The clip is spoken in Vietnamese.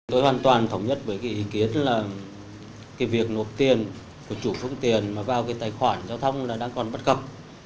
tôi hoàn toàn thống nhất với ý kiến là việc nộp tiền của chủ phương tiền vào tài khoản giao thông đang còn bất cập